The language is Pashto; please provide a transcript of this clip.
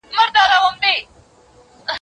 خلک وه ډېر وه په عذاب له کفن کښه